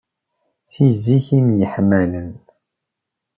Si zik i myeḥmalen.